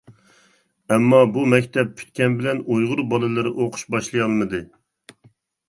ئەمما، بۇ مەكتەپ پۈتكەن بىلەن ئۇيغۇر بالىلىرى ئوقۇش باشلىيالمىدى.